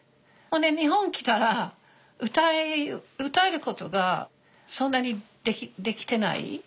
ほんで日本来たら歌えることがそんなにできてない。